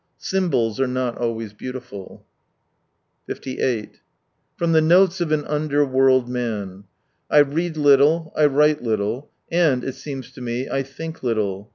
Symbols are not always beautiful. 58 From the notes of an underworld man —" I read little, I write little, and, it seems to me, I think little.